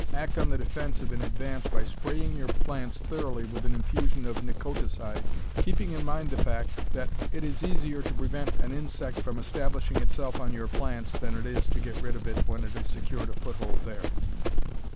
Act on the defensive in advance by spraying your plants thoroughly with an infusion of Nicoticide, keeping in mind the fact that it is easier to prevent an insect from establishing itself on your plants than it is to get rid of it when it has secured a foothold there.